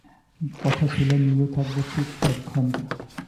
কথা ছিল নীলু থাকবে ঠিক এক ঘন্টা।